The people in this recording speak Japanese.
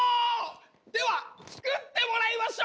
では、作ってもらいましょう。